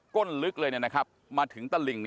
ก้นลึกเลยนะครับมาถึงตลิ่ง